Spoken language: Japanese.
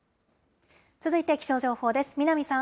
続いて気象情報です。